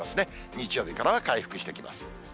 日曜日からは回復してきます。